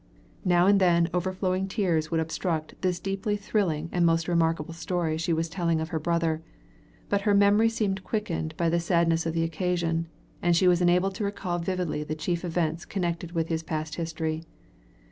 Now and then overflowing tears would obstruct this deeply thrilling and most remarkable story she was telling of her brother, but her memory seemed quickened by the sadness of the occasion, and she was enabled to recall vividly the chief events connected with his past history.